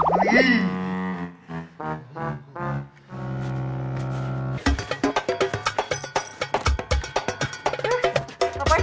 buat apa nih